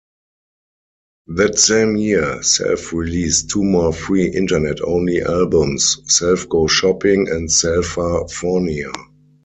That same year, Self-released two more free Internet-only albums, "Self Goes Shopping" and "Selfafornia".